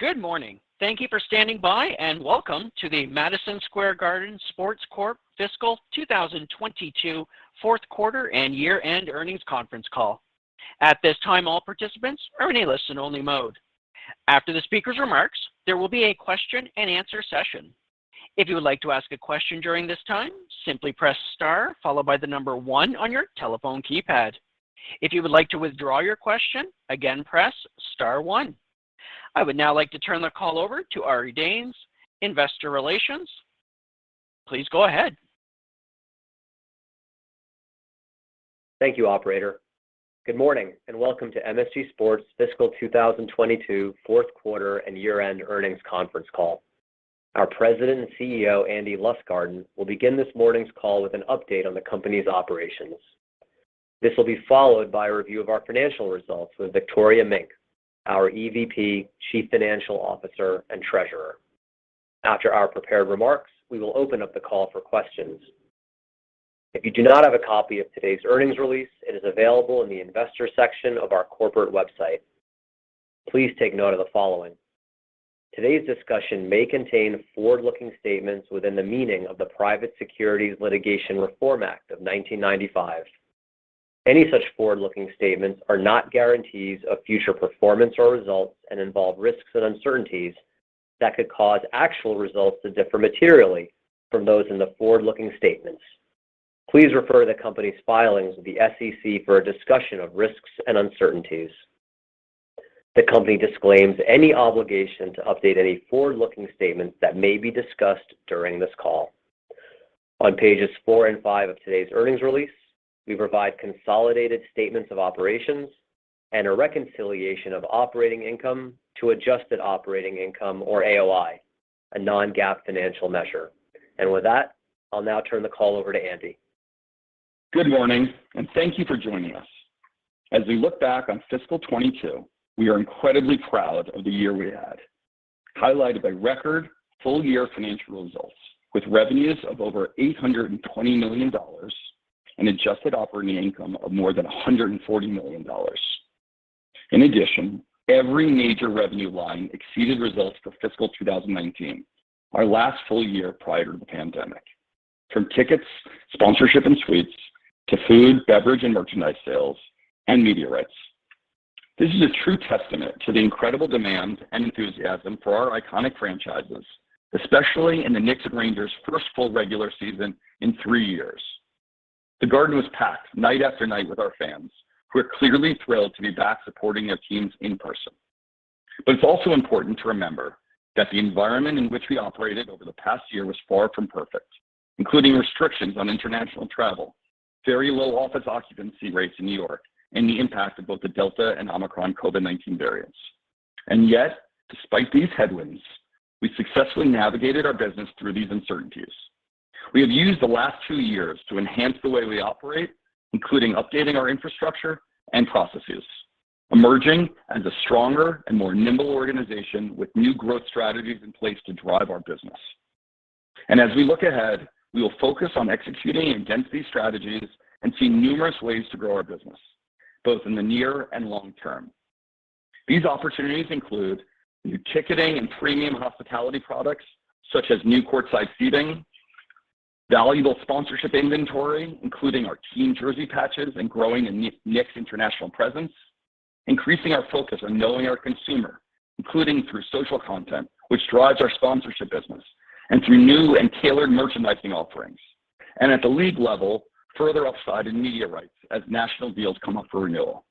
Good morning. Thank you for standing by and welcome to the Madison Square Garden Sports Corp. Fiscal 2022 fourth quarter and year-end earnings conference call. At this time, all participants are in a listen only mode. After the speaker's remarks, there will be a question and answer session. If you would like to ask a question during this time, simply press star followed by the number one on your telephone keypad. If you would like to withdraw your question, again, press star one. I would now like to turn the call over to Ari Danes, Investor Relations. Please go ahead. Thank you, operator. Good morning and welcome to MSG Sports Fiscal 2022 fourth quarter and year-end earnings conference call. Our President and CEO, Andy Lustgarten, will begin this morning's call with an update on the company's operations. This will be followed by a review of our financial results with Victoria Mink, our EVP, Chief Financial Officer, and Treasurer. After our prepared remarks, we will open up the call for questions. If you do not have a copy of today's earnings release, it is available in the investors section of our corporate website. Please take note of the following. Today's discussion may contain forward-looking statements within the meaning of the Private Securities Litigation Reform Act of 1995. Any such forward-looking statements are not guarantees of future performance or results and involve risks and uncertainties that could cause actual results to differ materially from those in the forward-looking statements. Please refer to the company's filings with the SEC for a discussion of risks and uncertainties. The company disclaims any obligation to update any forward-looking statements that may be discussed during this call. On pages four and five of today's earnings release, we provide consolidated statements of operations and a reconciliation of operating income to adjusted operating income or AOI, a non-GAAP financial measure. With that, I'll now turn the call over to Andy. Good morning, and thank you for joining us. As we look back on fiscal 2022, we are incredibly proud of the year we had, highlighted by record full-year financial results with revenues of over $820 million and adjusted operating income of more than $140 million. In addition, every major revenue line exceeded results for fiscal 2019, our last full year prior to the pandemic, from tickets, sponsorship and suites to food, beverage, and merchandise sales and media rights. This is a true testament to the incredible demand and enthusiasm for our iconic franchises, especially in the Knicks and Rangers first full regular season in three years. The Garden was packed night after night with our fans, who are clearly thrilled to be back supporting their teams in person. It's also important to remember that the environment in which we operated over the past year was far from perfect, including restrictions on international travel, very low office occupancy rates in New York, and the impact of both the Delta and Omicron COVID-19 variants. Yet, despite these headwinds, we successfully navigated our business through these uncertainties. We have used the last two years to enhance the way we operate, including updating our infrastructure and processes, emerging as a stronger and more nimble organization with new growth strategies in place to drive our business. As we look ahead, we will focus on executing against these strategies and see numerous ways to grow our business, both in the near and long term. These opportunities include new ticketing and premium hospitality products, such as new courtside seating, valuable sponsorship inventory, including our team jersey patches, and growing the Knicks' international presence, increasing our focus on knowing our consumer, including through social content, which drives our sponsorship business and through new and tailored merchandising offerings. At the league level, further upside in media rights as national deals come up for renewal.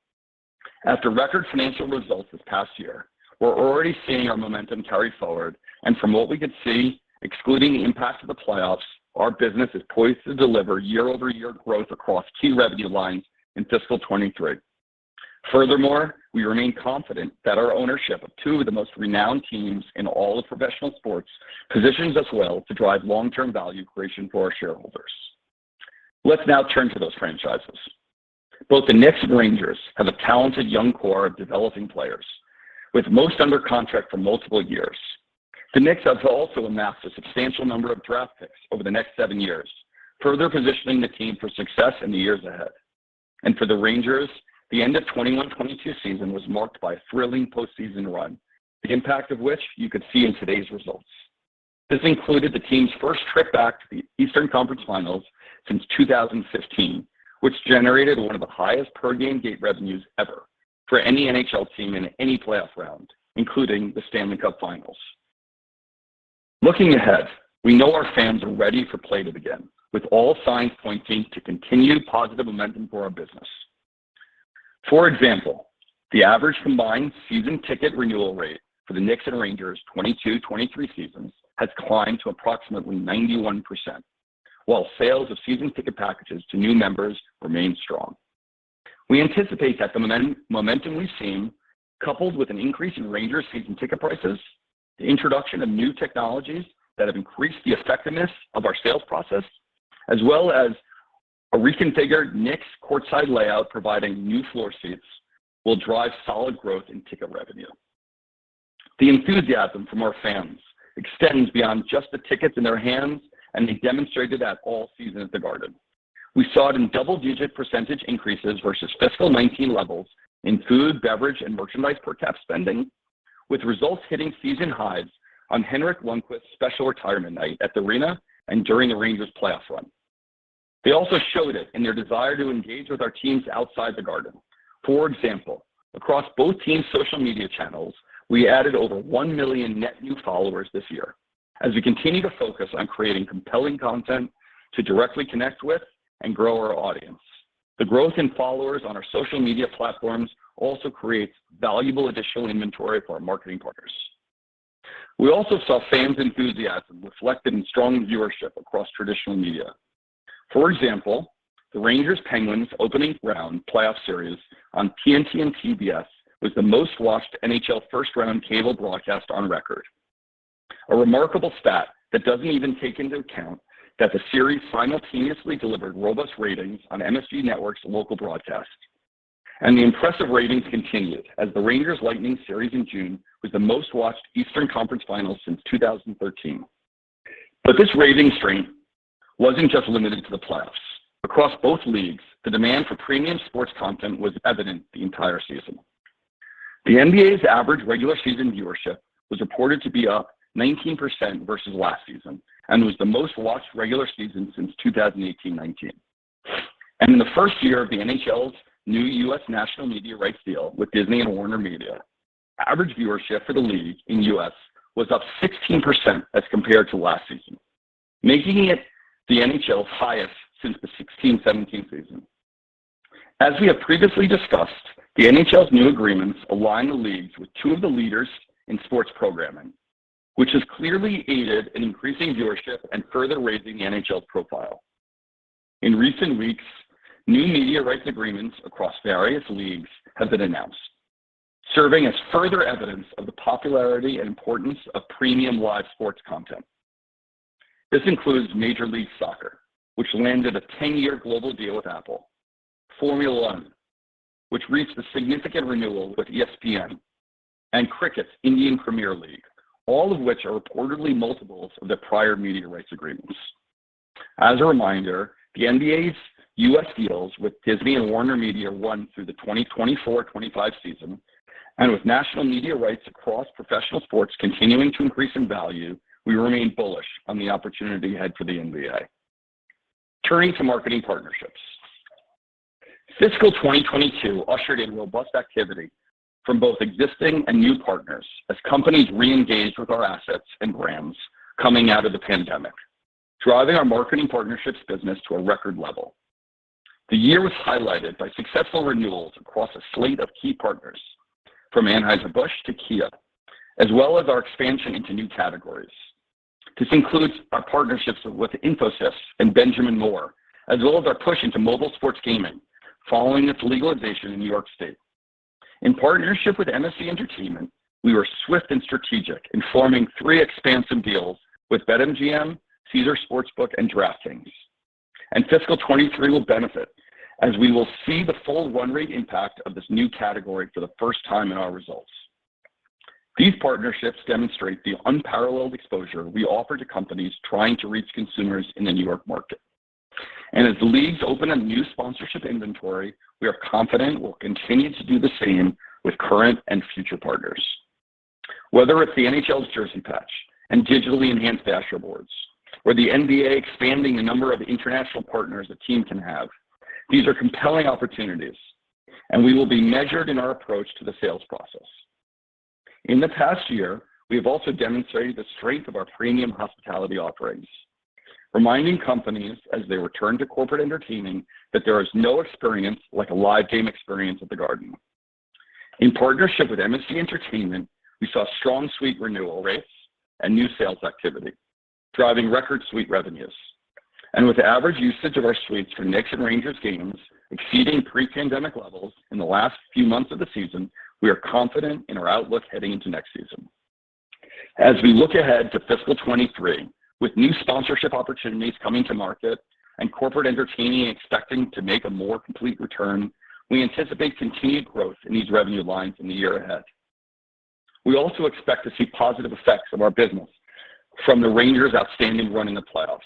After record financial results this past year, we're already seeing our momentum carry forward, and from what we could see, excluding the impact of the playoffs, our business is poised to deliver year-over-year growth across key revenue lines in fiscal 2023. Furthermore, we remain confident that our ownership of two of the most renowned teams in all of professional sports positions us well to drive long-term value creation for our shareholders. Let's now turn to those franchises. Both the Knicks and Rangers have a talented young core of developing players, with most under contract for multiple years. The Knicks have also amassed a substantial number of draft picks over the next seven years, further positioning the team for success in the years ahead. For the Rangers, the end of 2021-22 season was marked by a thrilling postseason run, the impact of which you could see in today's results. This included the team's first trip back to the Eastern Conference Finals since 2015, which generated one of the highest per game gate revenues ever for any NHL team in any playoff round, including the Stanley Cup Finals. Looking ahead, we know our fans are ready for play to begin, with all signs pointing to continued positive momentum for our business. For example, the average combined season ticket renewal rate for the Knicks and Rangers 2022-2023 seasons has climbed to approximately 91%, while sales of season ticket packages to new members remain strong. We anticipate that the momentum we've seen, coupled with an increase in Rangers season ticket prices, the introduction of new technologies that have increased the effectiveness of our sales process, as well as a reconfigured Knicks courtside layout providing new floor seats, will drive solid growth in ticket revenue. The enthusiasm from our fans extends beyond just the tickets in their hands, and they demonstrated that all season at The Garden. We saw it in double-digit percentage increases versus fiscal 2019 levels in food, beverage, and merchandise per cap spending, with results hitting season highs on Henrik Lundqvist's special retirement night at the arena and during the Rangers playoff run. They also showed it in their desire to engage with our teams outside the garden. For example, across both teams' social media channels, we added over one million net new followers this year as we continue to focus on creating compelling content to directly connect with and grow our audience. The growth in followers on our social media platforms also creates valuable additional inventory for our marketing partners. We also saw fans' enthusiasm reflected in strong viewership across traditional media. For example, the Rangers-Penguins opening round playoff series on TNT and TBS was the most-watched NHL first-round cable broadcast on record. A remarkable stat that doesn't even take into account that the series simultaneously delivered robust ratings on MSG Network's local broadcast. The impressive ratings continued as the Rangers-Lightning series in June was the most-watched Eastern Conference final since 2013. This rating strength wasn't just limited to the playoffs. Across both leagues, the demand for premium sports content was evident the entire season. The NBA's average regular season viewership was reported to be up 19% versus last season, and was the most-watched regular season since 2018-19. In the first year of the NHL's new U.S. national media rights deal with Disney and WarnerMedia, average viewership for the league in the U.S. was up 16% as compared to last season, making it the NHL's highest since the 2016-17 season. As we have previously discussed, the NHL's new agreements align the leagues with two of the leaders in sports programming, which has clearly aided in increasing viewership and further raising the NHL's profile. In recent weeks, new media rights agreements across various leagues have been announced, serving as further evidence of the popularity and importance of premium live sports content. This includes Major League Soccer, which landed a 10-year global deal with Apple, Formula One, which reached a significant renewal with ESPN, and cricket's Indian Premier League, all of which are reportedly multiples of their prior media rights agreements. As a reminder, the NBA's U.S. deals with Disney and WarnerMedia run through the 2024-2025 season, and with national media rights across professional sports continuing to increase in value, we remain bullish on the opportunity ahead for the NBA. Turning to marketing partnerships. Fiscal 2022 ushered in robust activity from both existing and new partners as companies reengaged with our assets and brands coming out of the pandemic, driving our marketing partnerships business to a record level. The year was highlighted by successful renewals across a slate of key partners, from Anheuser-Busch to Kia, as well as our expansion into new categories. This includes our partnerships with Infosys and Benjamin Moore, as well as our push into mobile sports gaming following its legalization in New York State. In partnership with MSG Entertainment, we were swift and strategic in forming three expansive deals with BetMGM, Caesars Sportsbook, and DraftKings. Fiscal 2023 will benefit as we will see the full run rate impact of this new category for the first time in our results. These partnerships demonstrate the unparalleled exposure we offer to companies trying to reach consumers in the New York market. As leagues open a new sponsorship inventory, we are confident we'll continue to do the same with current and future partners. Whether it's the NHL's jersey patch and digitally enhanced dasherboards, or the NBA expanding the number of international partners a team can have, these are compelling opportunities, and we will be measured in our approach to the sales process. In the past year, we have also demonstrated the strength of our premium hospitality offerings, reminding companies as they return to corporate entertaining that there is no experience like a live game experience at the Garden. In partnership with MSG Entertainment, we saw strong suite renewal rates and new sales activity, driving record suite revenues. With average usage of our suites for Knicks and Rangers games exceeding pre-pandemic levels in the last few months of the season, we are confident in our outlook heading into next season. As we look ahead to fiscal 2023, with new sponsorship opportunities coming to market and corporate entertaining expecting to make a more complete return, we anticipate continued growth in these revenue lines in the year ahead. We also expect to see positive effects of our business from the Rangers' outstanding run in the playoffs.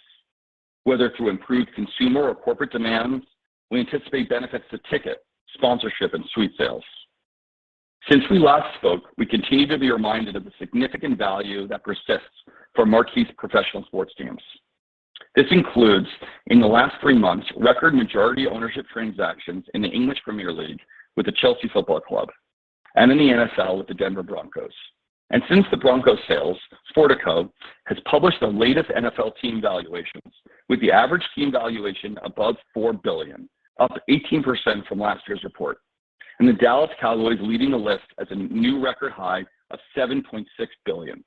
Whether through improved consumer or corporate demands, we anticipate benefits to ticket, sponsorship, and suite sales. Since we last spoke, we continue to be reminded of the significant value that persists for marquee professional sports teams. This includes, in the last three months, record majority ownership transactions in the English Premier League with the Chelsea Football Club and in the NFL with the Denver Broncos. Since the Broncos sale, Sportico has published the latest NFL team valuations, with the average team valuation above $4 billion, up 18% from last year's report, and the Dallas Cowboys leading the list at a new record high of $7.6 billion.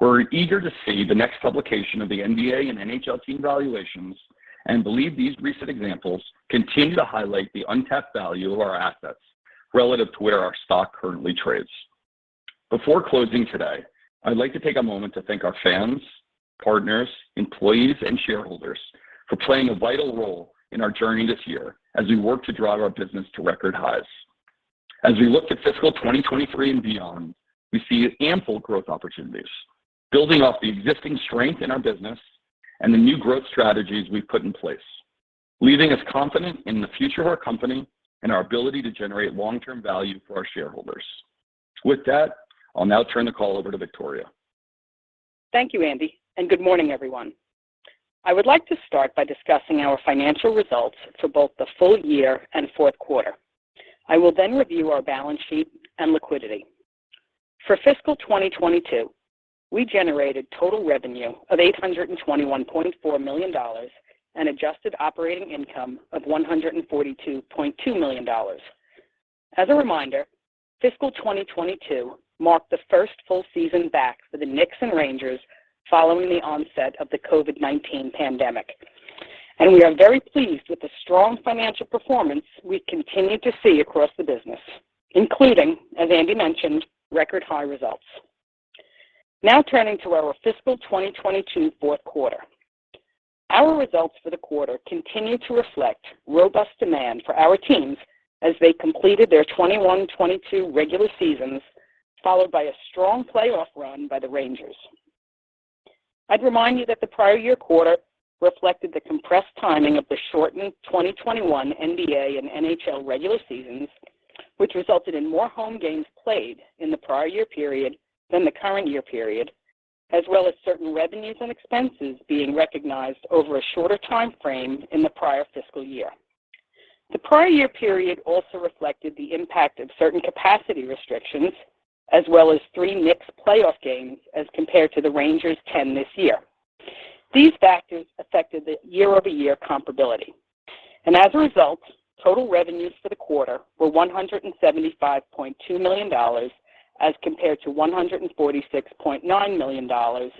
We're eager to see the next publication of the NBA and NHL team valuations and believe these recent examples continue to highlight the untapped value of our assets relative to where our stock currently trades. Before closing today, I'd like to take a moment to thank our fans, partners, employees, and shareholders for playing a vital role in our journey this year as we work to drive our business to record highs. As we look to fiscal 2023 and beyond, we see ample growth opportunities building off the existing strength in our business and the new growth strategies we've put in place, leaving us confident in the future of our company and our ability to generate long-term value for our shareholders. With that, I'll now turn the call over to Victoria. Thank you, Andy, and good morning, everyone. I would like to start by discussing our financial results for both the full year and fourth quarter. I will then review our balance sheet and liquidity. For fiscal 2022, we generated total revenue of $821.4 million and adjusted operating income of $142.2 million. As a reminder, fiscal 2022 marked the first full season back for the Knicks and Rangers following the onset of the COVID-19 pandemic. We are very pleased with the strong financial performance we continue to see across the business, including, as Andy mentioned, record high results. Now turning to our fiscal 2022 fourth quarter. Our results for the quarter continue to reflect robust demand for our teams as they completed their 2021-22 regular seasons, followed by a strong playoff run by the Rangers. I'd remind you that the prior year quarter reflected the compressed timing of the shortened 2021 NBA and NHL regular seasons, which resulted in more home games played in the prior year period than the current year period, as well as certain revenues and expenses being recognized over a shorter timeframe in the prior fiscal year. The prior year period also reflected the impact of certain capacity restrictions, as well as three Knicks playoff games as compared to the Rangers' 10 this year. These factors affected the year-over-year comparability. As a result, total revenues for the quarter were $175.2 million as compared to $146.9 million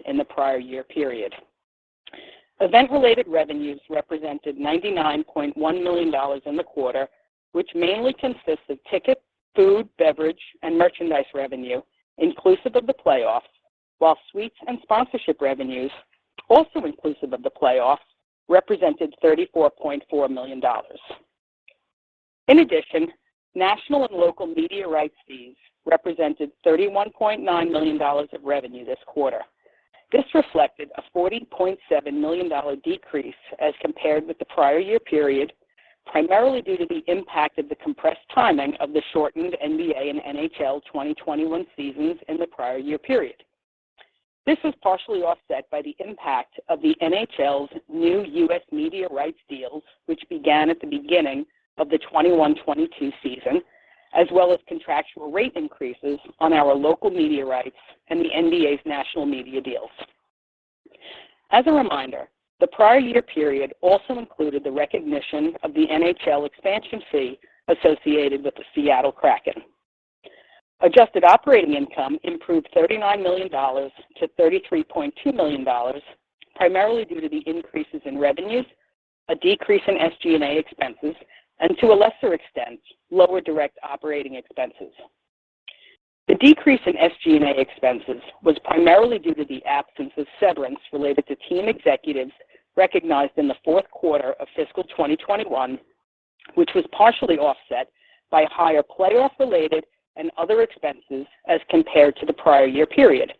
in the prior year period. Event-related revenues represented $99.1 million in the quarter, which mainly consists of ticket, food, beverage, and merchandise revenue inclusive of the playoffs, while suites and sponsorship revenues, also inclusive of the playoffs, represented $34.4 million. In addition, national and local media rights fees represented $31.9 million of revenue this quarter. This reflected a $40.7 million decrease as compared with the prior year period, primarily due to the impact of the compressed timing of the shortened NBA and NHL 2021 seasons in the prior year period. This was partially offset by the impact of the NHL's new U.S. media rights deal, which began at the beginning of the 2021-22 season, as well as contractual rate increases on our local media rights and the NBA's national media deals. As a reminder, the prior year period also included the recognition of the NHL expansion fee associated with the Seattle Kraken. Adjusted operating income improved $39 million to $33.2 million, primarily due to the increases in revenues, a decrease in SG&A expenses, and to a lesser extent, lower direct operating expenses. The decrease in SG&A expenses was primarily due to the absence of severance related to team executives recognized in the fourth quarter of fiscal 2021, which was partially offset by higher playoff-related and other expenses as compared to the prior year period.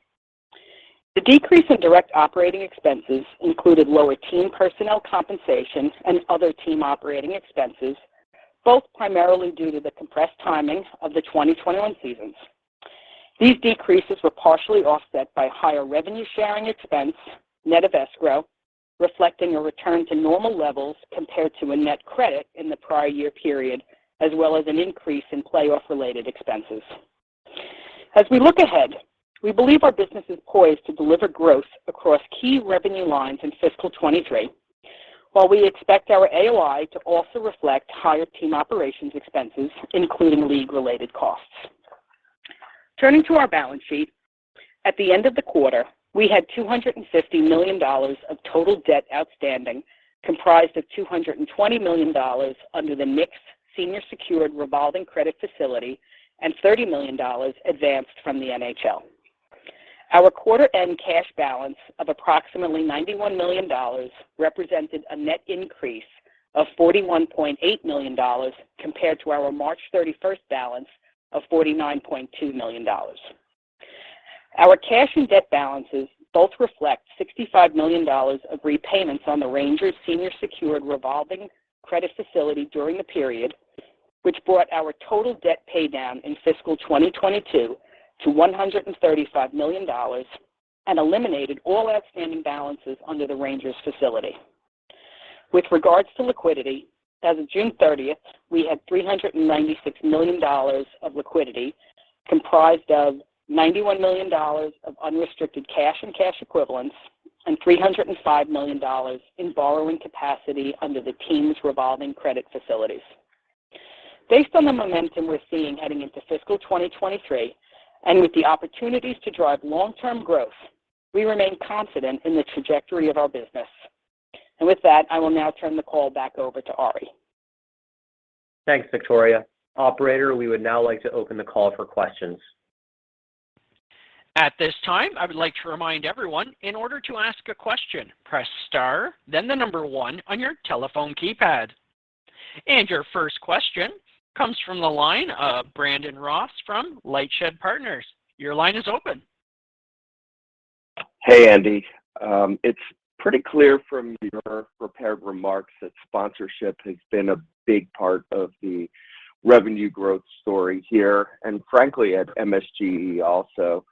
The decrease in direct operating expenses included lower team personnel compensation and other team operating expenses, both primarily due to the compressed timing of the 2021 seasons. These decreases were partially offset by higher revenue sharing expense, net of escrow, reflecting a return to normal levels compared to a net credit in the prior year period, as well as an increase in playoff-related expenses. As we look ahead, we believe our business is poised to deliver growth across key revenue lines in fiscal 2023, while we expect our AOI to also reflect higher team operations expenses, including league-related costs. Turning to our balance sheet, at the end of the quarter, we had $250 million of total debt outstanding, comprised of $220 million under the Knicks senior secured revolving credit facility and $30 million advanced from the NHL. Our quarter-end cash balance of approximately $91 million represented a net increase of $41.8 million compared to our March 31st balance of $49.2 million. Our cash and debt balances both reflect $65 million of repayments on the Rangers senior secured revolving credit facility during the period, which brought our total debt pay down in fiscal 2022 to $135 million and eliminated all outstanding balances under the Rangers facility. With regards to liquidity, as of June 30th, we had $396 million of liquidity, comprised of $91 million of unrestricted cash and cash equivalents and $305 million in borrowing capacity under the team's revolving credit facilities. Based on the momentum we're seeing heading into fiscal 2023 and with the opportunities to drive long-term growth, we remain confident in the trajectory of our business. With that, I will now turn the call back over to Ari. Thanks, Victoria. Operator, we would now like to open the call for questions. At this time, I would like to remind everyone, in order to ask a question, press star then the number one on your telephone keypad. Your first question comes from the line of Brandon Ross from LightShed Partners. Your line is open. Hey, Andy. It's pretty clear from your prepared remarks that sponsorship has been a big part of the revenue growth story here, and frankly at MSGE also.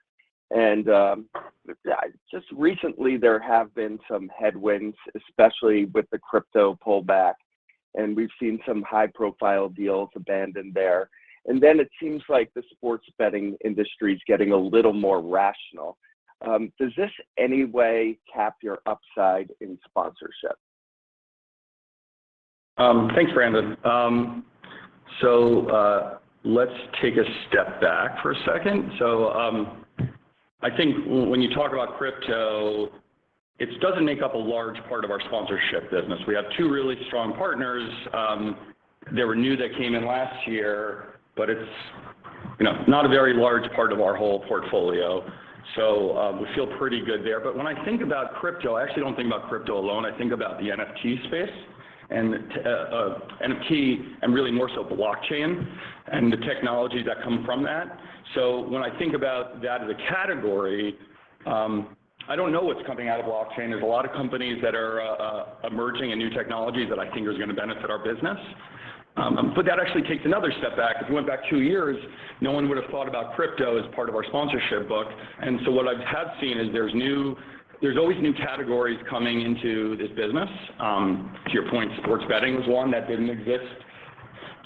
Just recently there have been some headwinds, especially with the crypto pullback, and we've seen some high-profile deals abandoned there. Then it seems like the sports betting industry's getting a little more rational. Does this in any way cap your upside in sponsorship? Thanks, Brandon. Let's take a step back for a second. I think when you talk about crypto, it doesn't make up a large part of our sponsorship business. We have two really strong partners that were new that came in last year. It's, you know, not a very large part of our whole portfolio, so we feel pretty good there. When I think about crypto, I actually don't think about crypto alone. I think about the NFT space, and NFT and really more so blockchain and the technologies that come from that. When I think about that as a category, I don't know what's coming out of blockchain. There's a lot of companies that are emerging in new technologies that I think are gonna benefit our business. That actually takes another step back. If you went back two years, no one would've thought about crypto as part of our sponsorship book, and so what I have seen is there's always new categories coming into this business. To your point, sports betting was one that didn't exist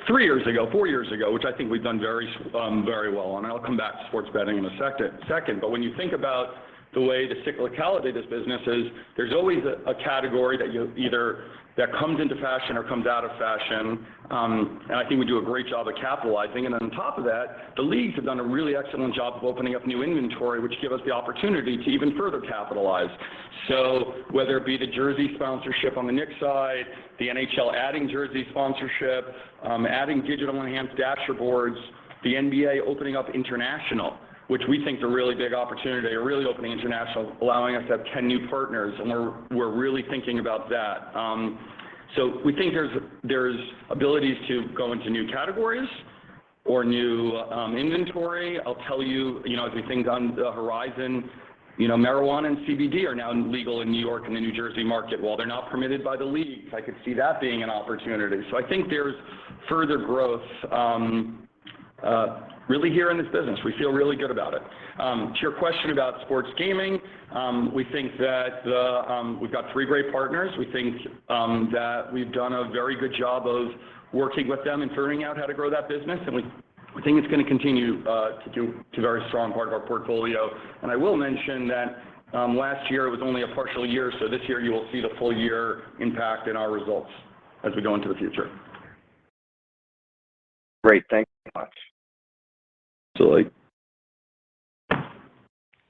three years ago, four years ago, which I think we've done very well on, and I'll come back to sports betting in a second. When you think about the way the cyclicality of this business is, there's always a category that comes into fashion or comes out of fashion. I think we do a great job at capitalizing. On top of that, the leagues have done a really excellent job of opening up new inventory, which give us the opportunity to even further capitalize. Whether it be the jersey sponsorship on the Knicks side, the NHL adding jersey sponsorship, adding digital enhanced dashboard, the NBA opening up international, which we think is a really big opportunity. They're really opening international, allowing us to have 10 new partners, and we're really thinking about that. We think there's abilities to go into new categories or new inventory. I'll tell you know, as we think on the horizon, you know, marijuana and CBD are now legal in New York and the New Jersey market. While they're not permitted by the leagues, I could see that being an opportunity. I think there's further growth really here in this business. We feel really good about it. To your question about sports gaming, we think we've got three great partners. We think that we've done a very good job of working with them and figuring out how to grow that business, and we think it's gonna continue to a very strong part of our portfolio. I will mention that last year was only a partial year, so this year you will see the full year impact in our results as we go into the future. Great. Thank you so much. Absolutely.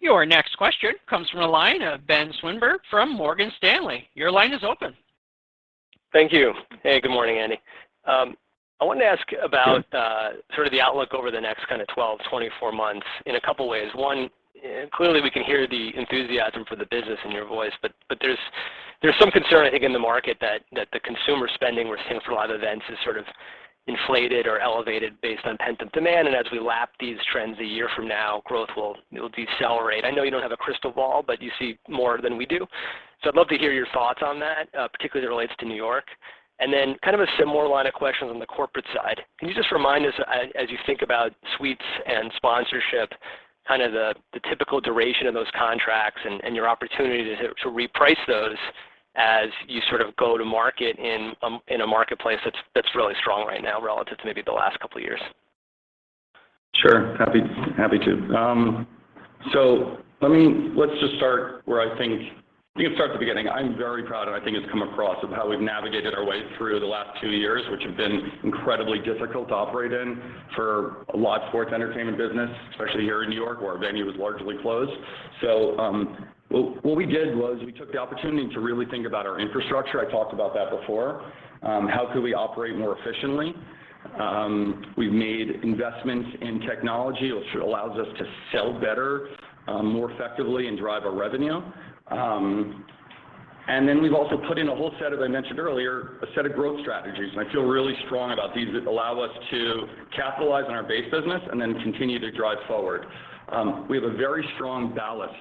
Your next question comes from the line of Ben Swinburne from Morgan Stanley. Your line is open. Thank you. Hey, good morning, Andy. I wanted to ask about sort of the outlook over the next kind of 12, 24 months in a couple ways. One, clearly we can hear the enthusiasm for the business in your voice, but there's some concern I think in the market that the consumer spending we're seeing for a lot of events is sort of inflated or elevated based on pent-up demand. As we lap these trends a year from now, it'll decelerate. I know you don't have a crystal ball, but you see more than we do. I'd love to hear your thoughts on that, particularly as it relates to New York. Then kind of a similar line of questions on the corporate side. Can you just remind us as you think about suites and sponsorship, kind of the typical duration of those contracts and your opportunity to reprice those as you sort of go to market in a marketplace that's really strong right now relative to maybe the last couple years? Sure. Happy to. Let's just start at the beginning. I'm very proud, and I think it's come across, of how we've navigated our way through the last two years, which have been incredibly difficult to operate in for a lot of sports entertainment business, especially here in New York where our venue was largely closed. What we did was we took the opportunity to really think about our infrastructure. I talked about that before. How could we operate more efficiently? We've made investments in technology, which allows us to sell better, more effectively and drive our revenue. Then we've also put in a whole set of growth strategies, as I mentioned earlier, and I feel really strong about these that allow us to capitalize on our base business and then continue to drive forward. We have a very strong ballast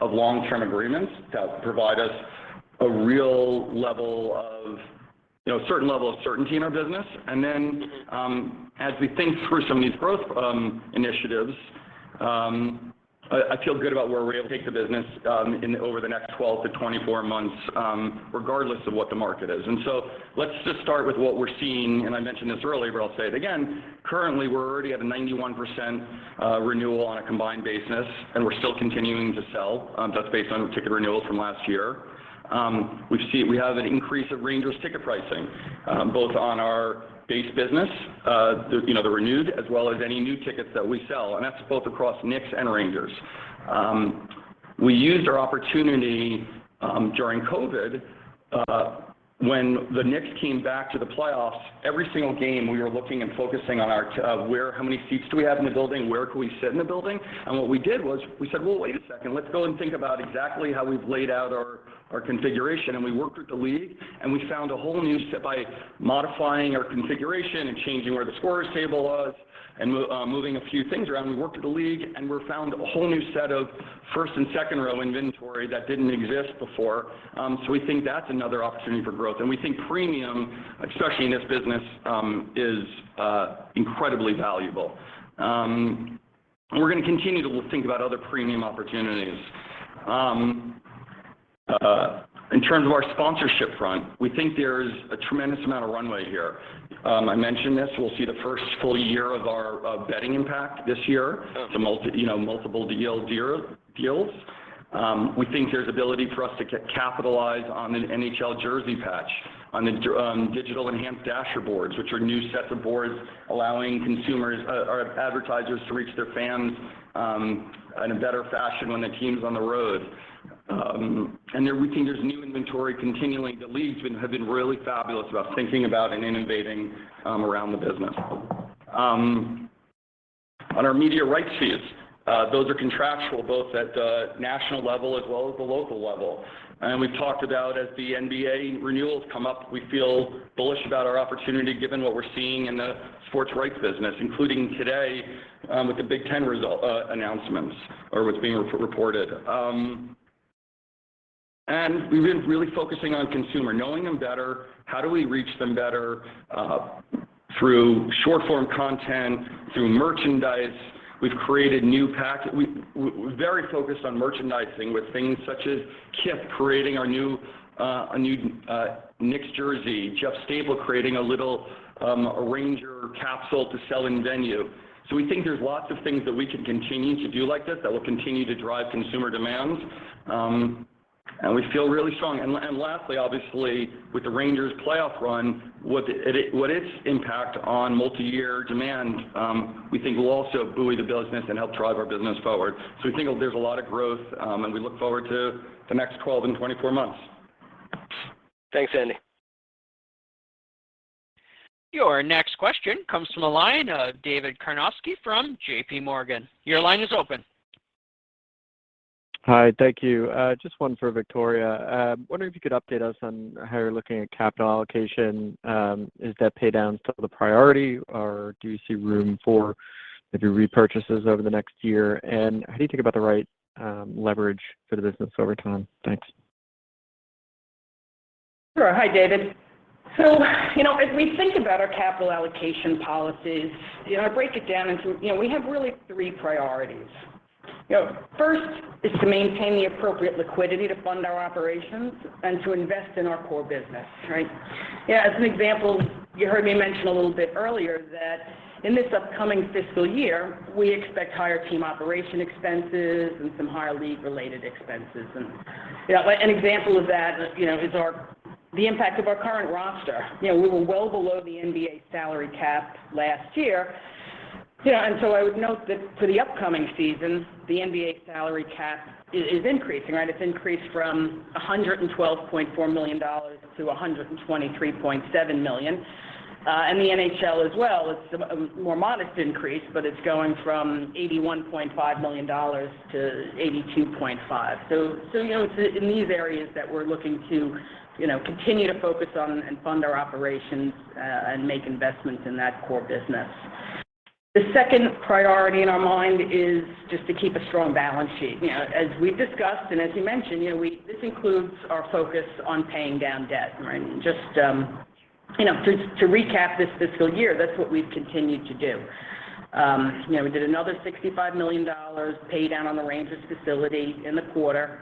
of long-term agreements that provide us a real level of, you know, a certain level of certainty in our business. As we think through some of these growth initiatives, I feel good about where we're able to take the business and over the next 12-24 months, regardless of what the market is. Let's just start with what we're seeing, and I mentioned this earlier but I'll say it again. Currently, we're already at a 91% renewal on a combined basis, and we're still continuing to sell. That's based on ticket renewals from last year. We have an increase of Rangers ticket pricing, both on our base business, you know, the renewed, as well as any new tickets that we sell, and that's both across Knicks and Rangers. We used our opportunity during COVID when the Knicks came back to the playoffs. Every single game we were looking and focusing on how many seats do we have in the building. Where could we sit in the building? What we did was, we said, "Well, wait a second. Let's go and think about exactly how we've laid out our configuration." We worked with the league, and we found a whole new set by modifying our configuration and changing where the scorers' table was and moving a few things around. We worked with the league, and we found a whole new set of first and second row inventory that didn't exist before. We think that's another opportunity for growth. We think premium, especially in this business, is incredibly valuable. We're gonna continue to think about other premium opportunities. In terms of our sponsorship front, we think there's a tremendous amount of runway here. I mentioned this. We'll see the first full year of our betting impact this year. Multiple deals. We think there's ability for us to capitalize on an NHL jersey patch, on the digital enhanced dasher boards, which are new sets of boards allowing consumers or advertisers to reach their fans, in a better fashion when the team's on the road. We think there's new inventory continuing. The league has been really fabulous about thinking about and innovating around the business. On our media rights fees, those are contractual both at the national level as well as the local level. We've talked about as the NBA renewals come up, we feel bullish about our opportunity given what we're seeing in the sports rights business, including today, with the Big Ten result announcements or what's being re-reported. We've been really focusing on consumer. Knowing them better, how do we reach them better, through short-form content, through merchandise. We're very focused on merchandising with things such as Kith creating a new Knicks jersey. Jeff Staple creating a little, Rangers capsule to sell in venue. We think there's lots of things that we can continue to do like this that will continue to drive consumer demand, and we feel really strong. Lastly, obviously, with the Rangers' playoff run, what its impact on multiyear demand, we think will also buoy the business and help drive our business forward. We think there's a lot of growth, and we look forward to the next 12 and 24 months. Thanks, Andy. Your next question comes from the line of David Karnovsky from J.P. Morgan. Your line is open. Hi, thank you. Just one for Victoria. Wondering if you could update us on how you're looking at capital allocation. Is that pay down still the priority, or do you see room for maybe repurchases over the next year? How do you think about the right leverage for the business over time? Thanks. Sure. Hi, David. You know, as we think about our capital allocation policies, you know, I break it down into. You know, we have really three priorities. You know, first is to maintain the appropriate liquidity to fund our operations and to invest in our core business, right? Yeah, as an example, you heard me mention a little bit earlier that in this upcoming fiscal year, we expect higher team operation expenses and some higher league related expenses. You know, an example of that, you know, is the impact of our current roster. You know, we were well below the NBA salary cap last year. You know, and so I would note that for the upcoming season, the NBA salary cap is increasing, right? It's increased from $112.4 million to $123.7 million. The NHL as well, it's a more modest increase, but it's going from $81.5 million to $82.5 million. You know, it's in these areas that we're looking to, you know, continue to focus on and fund our operations, and make investments in that core business. The second priority in our mind is just to keep a strong balance sheet. You know, as we've discussed and as you mentioned, you know, this includes our focus on paying down debt, right? You know, to recap this fiscal year, that's what we've continued to do. You know, we did another $65 million pay down on the Rangers facility in the quarter,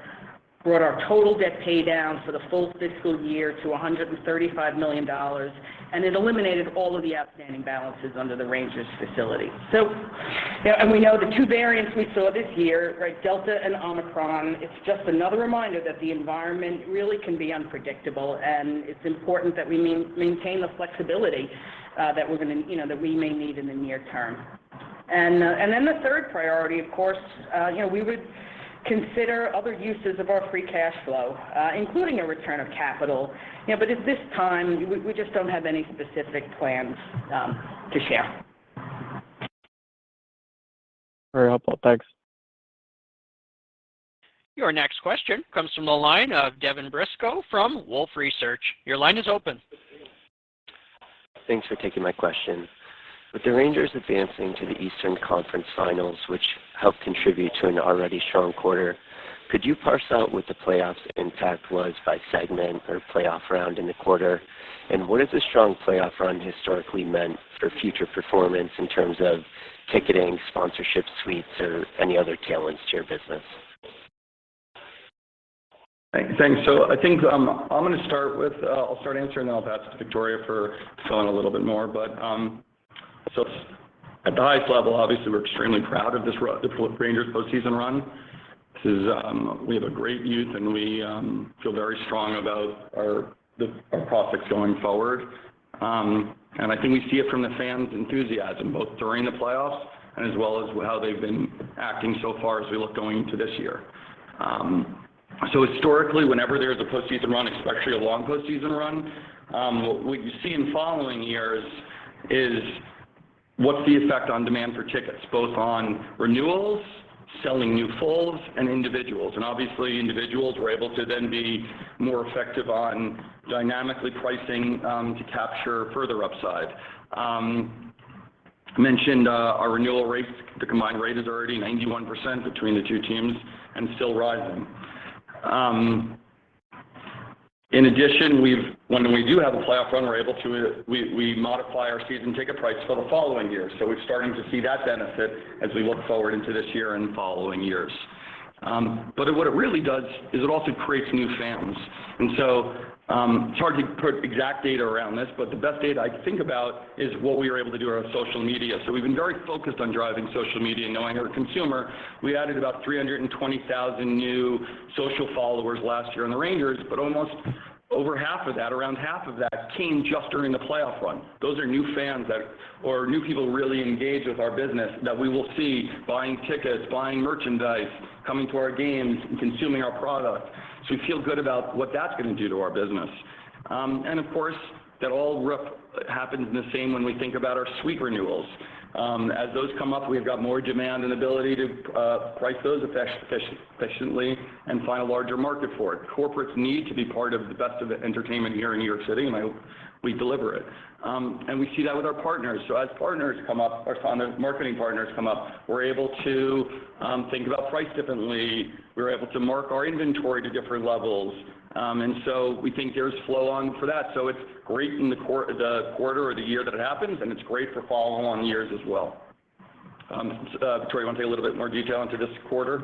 brought our total debt pay down for the full fiscal year to $135 million, and it eliminated all of the outstanding balances under the Rangers facility. You know, we know the two variants we saw this year, right? Delta and Omicron. It's just another reminder that the environment really can be unpredictable, and it's important that we maintain the flexibility that we're gonna, you know, that we may need in the near term. The third priority, of course, you know, we would consider other uses of our free cash flow, including a return of capital. You know, at this time, we just don't have any specific plans to share. Very helpful. Thanks. Your next question comes from the line of Devin Brisco from Wolfe Research. Your line is open. Thanks for taking my question. With the Rangers advancing to the Eastern Conference Finals, which helped contribute to an already strong quarter, could you parse out what the playoffs impact was by segment or playoff round in the quarter? And what has the strong playoff run historically meant for future performance in terms of ticketing, sponsorship suites, or any other tailwinds to your business? Thanks. I think, I'll start answering, then I'll pass to Victoria for filling a little bit more. At the highest level, obviously, we're extremely proud of the Rangers' postseason run. This is. We have a great youth, and we feel very strong about our prospects going forward. I think we see it from the fans' enthusiasm, both during the playoffs and as well as how they've been acting so far as we look going into this year. Historically, whenever there's a postseason run, especially a long postseason run, what you see in following years is what's the effect on demand for tickets, both on renewals, selling new fulls, and individuals. Obviously, individuals were able to then be more effective on dynamically pricing to capture further upside. Mentioned our renewal rates. The combined rate is already 91% between the two teams and still rising. In addition, when we do have a playoff run, we're able to modify our season ticket price for the following year. We're starting to see that benefit as we look forward into this year and following years. What it really does is it also creates new fans. It's hard to put exact data around this, but the best data I can think about is what we were able to do around social media. We've been very focused on driving social media, knowing our consumer. We added about 320,000 new social followers last year in the Rangers, but almost over half of that, around half of that came just during the playoff run. Those are new fans or new people really engaged with our business that we will see buying tickets, buying merchandise, coming to our games, and consuming our product. We feel good about what that's gonna do to our business. Of course, that all happens in the same when we think about our suite renewals. As those come up, we've got more demand and ability to price those efficiently and find a larger market for it. Corporates need to be part of the best of the entertainment here in New York City, and we deliver it. We see that with our partners. As partners come up, our marketing partners come up, we're able to think about price differently. We're able to mark our inventory to different levels. We think there's flow on for that. It's great in the quarter or the year that it happens, and it's great for follow-along years as well. Victoria, you wanna take a little bit more detail into this quarter?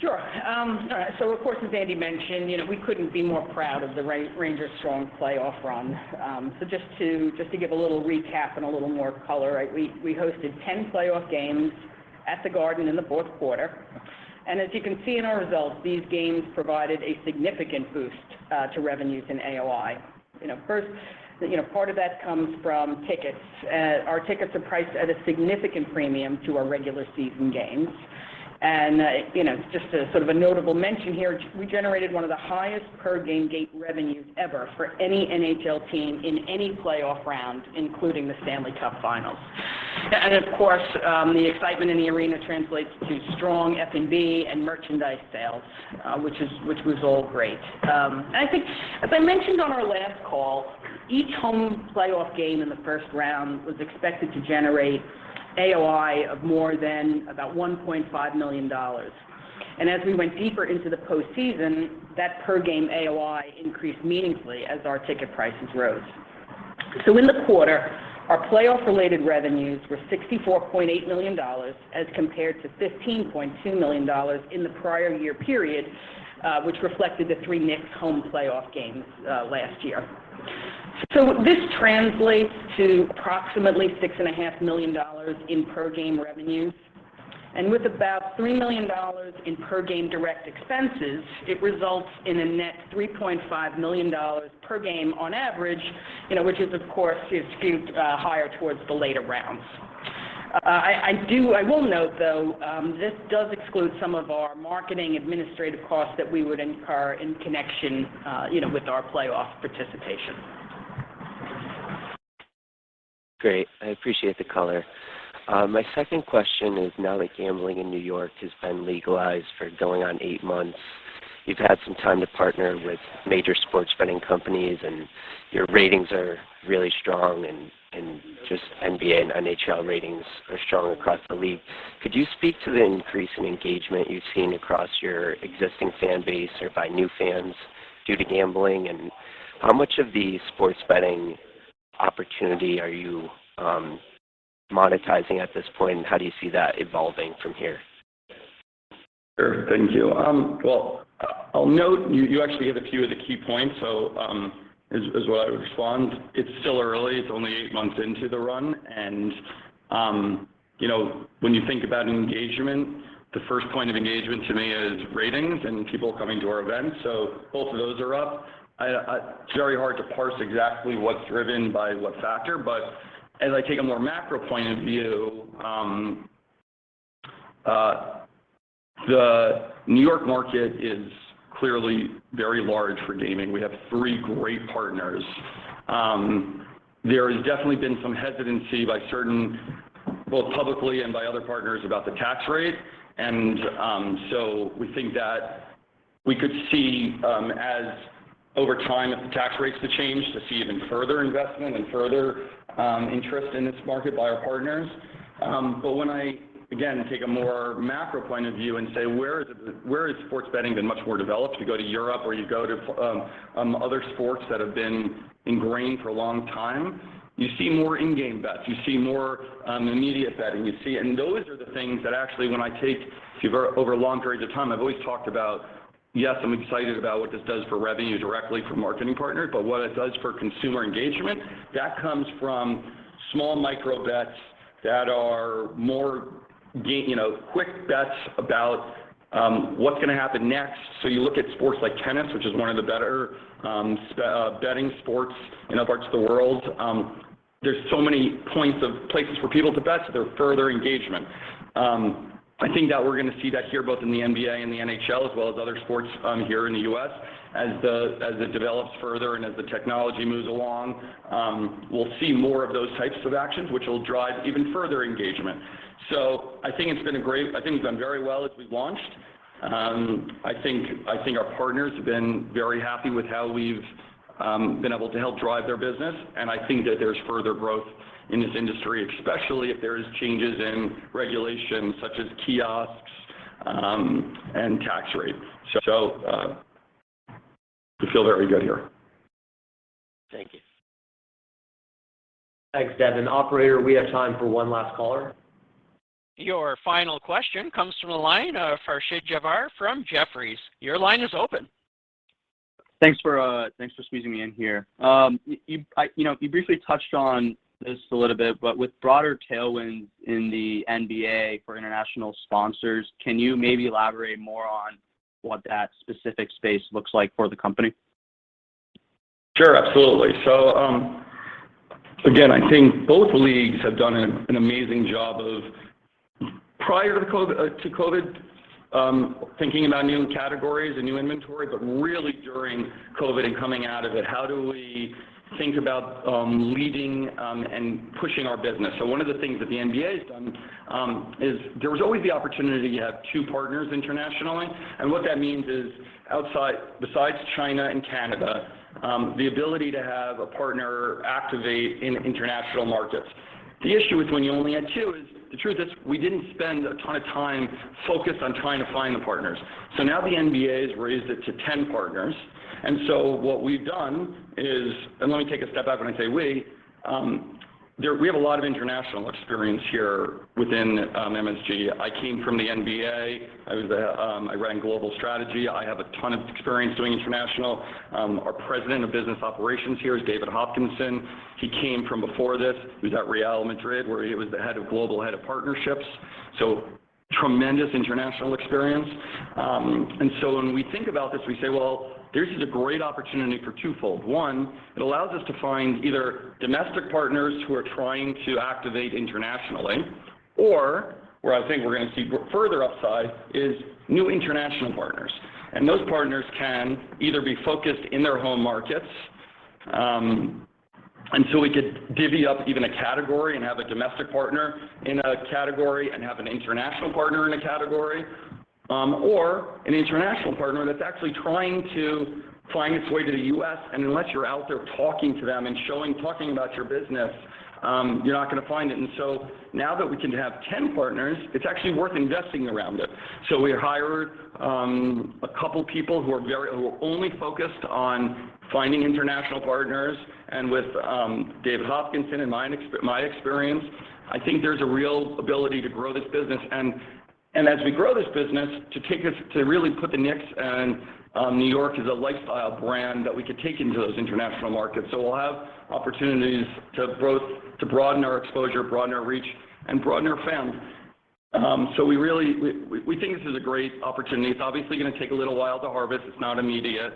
Sure. All right. Of course, as Andy mentioned, you know, we couldn't be more proud of the Rangers' strong playoff run. Just to give a little recap and a little more color, right? We hosted 10 playoff games at The Garden in the fourth quarter. As you can see in our results, these games provided a significant boost to revenues in AOI. You know, first, you know, part of that comes from tickets. Our tickets are priced at a significant premium to our regular season games. You know, just a sort of a notable mention here, we generated one of the highest per game gate revenues ever for any NHL team in any playoff round, including the Stanley Cup Finals. Of course, the excitement in the arena translates to strong F&B and merchandise sales, which was all great. I think as I mentioned on our last call, each home playoff game in the first round was expected to generate AOI of more than about $1.5 million. As we went deeper into the postseason, that per game AOI increased meaningfully as our ticket prices rose. In the quarter, our playoff-related revenues were $64.8 million as compared to $15.2 million in the prior year period, which reflected the three Knicks home playoff games last year. This translates to approximately $6.5 million in per game revenues. With about $3 million in per game direct expenses, it results in a net $3.5 million per game on average, you know, which of course is skewed higher towards the later rounds. I will note, though, this does exclude some of our marketing administrative costs that we would incur in connection, you know, with our playoff participation. Great. I appreciate the color. My second question is, now that gambling in New York has been legalized for going on eight months, you've had some time to partner with major sports betting companies, and your ratings are really strong, and just NBA and NHL ratings are strong across the league. Could you speak to the increase in engagement you've seen across your existing fan base or by new fans due to gambling? And how much of the sports betting opportunity are you monetizing at this point, and how do you see that evolving from here? Sure. Thank you. Well, I'll note that you actually hit a few of the key points. As to what I would respond, it's still early. It's only eight months into the run. You know, when you think about engagement, the first point of engagement to me is ratings and people coming to our events. Both of those are up. It's very hard to parse exactly what's driven by what factor, but as I take a more macro point of view, the New York market is clearly very large for gaming. We have three great partners. There has definitely been some hesitancy by certain both publicly and by other partners about the tax rate. We think that we could see, as over time if the tax rates to change, to see even further investment and further interest in this market by our partners. But when I again take a more macro point of view and say, "Where has sports betting been much more developed?" You go to Europe or you go to other sports that have been ingrained for a long time, you see more in-game bets, you see more immediate betting. Those are the things that actually when I take over long periods of time, I've always talked about. Yes, I'm excited about what this does for revenue directly from marketing partners, but what it does for consumer engagement, that comes from small micro bets that are more, you know, quick bets about what's gonna happen next. You look at sports like tennis, which is one of the better betting sports in other parts of the world. There's so many points or places for people to bet, so there's further engagement. I think that we're gonna see that here, both in the NBA and the NHL, as well as other sports here in the U.S. as it develops further and as the technology moves along. We'll see more of those types of actions which will drive even further engagement. I think we've done very well as we've launched. I think our partners have been very happy with how we've been able to help drive their business, and I think that there's further growth in this industry, especially if there is changes in regulations such as kiosks, and tax rates. We feel very good here. Thank you. Thanks, Devin. Operator, we have time for one last caller. Your final question comes from the line of Farshid Javar from Jefferies. Your line is open. Thanks for squeezing me in here. You know, you briefly touched on this a little bit, but with broader tailwinds in the NBA for international sponsors, can you maybe elaborate more on what that specific space looks like for the company? Sure. Absolutely. Again, I think both leagues have done an amazing job of prior to COVID thinking about new categories and new inventory, but really during COVID and coming out of it, how do we think about leading and pushing our business? One of the things that the NBA has done is there was always the opportunity to have two partners internationally, and what that means is outside, besides China and Canada, the ability to have a partner activate in international markets. The issue with when you only had two is the truth is we didn't spend a ton of time focused on trying to find the partners. Now the NBA has raised it to 10 partners, and what we've done is. Let me take a step back when I say we. We have a lot of international experience here within MSG. I came from the NBA. I ran global strategy. I have a ton of experience doing international. Our President of Team Business Operations here is David Hopkinson. He came from before this. He was at Real Madrid, where he was the head of global partnerships, so tremendous international experience. When we think about this, we say, well, this is a great opportunity for twofold. One, it allows us to find either domestic partners who are trying to activate internationally or where I think we're gonna see further upside is new international partners. Those partners can either be focused in their home markets, and we could divvy up even a category and have a domestic partner in a category and have an international partner in a category, or an international partner that's actually trying to find its way to the US, and unless you're out there talking to them and showing, talking about your business, you're not gonna find it. Now that we can have 10 partners, it's actually worth investing around it. We hired a couple people who are only focused on finding international partners, and with David Hopkinson and my experience, I think there's a real ability to grow this business. As we grow this business to take us to really put the Knicks and New York as a lifestyle brand that we could take into those international markets. We'll have opportunities to both broaden our exposure, broaden our reach, and broaden our fans. We really think this is a great opportunity. It's obviously gonna take a little while to harvest. It's not immediate.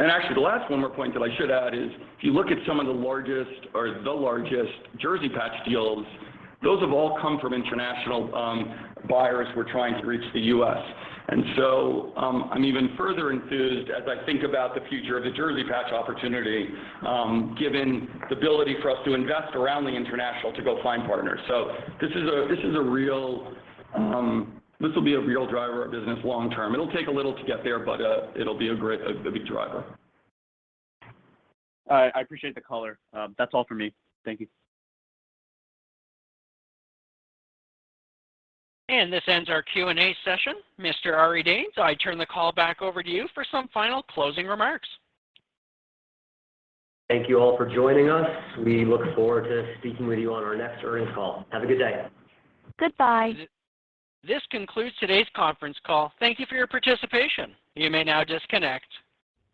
Actually, one more point that I should add is if you look at some of the largest jersey patch deals, those have all come from international buyers who are trying to reach the U.S. I'm even further enthused as I think about the future of the jersey patch opportunity, given the ability for us to invest around the international to go find partners. This will be a real driver of business long term. It'll take a little to get there, but it'll be a great big driver. All right. I appreciate the color. That's all for me. Thank you. This ends our Q&A session. Mr. Ari Danes, I turn the call back over to you for some final closing remarks. Thank you all for joining us. We look forward to speaking with you on our next earnings call. Have a good day. Goodbye. This concludes today's conference call. Thank you for your participation. You may now disconnect.